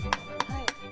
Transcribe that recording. はい。